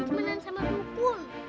temenan sama dukun